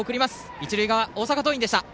一塁側、大阪桐蔭でした。